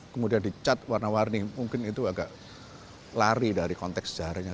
kemudian dicat warna warni mungkin itu agak lari dari konteks sejarahnya